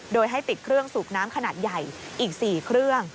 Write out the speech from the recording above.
โดยให้ติดเครื่องสูบน้ำขนาดใหญ่อีก๔เครื่อง